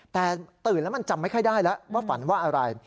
แต่ตื่นแล้วมันจำไม่ค่อยได้แล้วว่าฝันว่าอะไร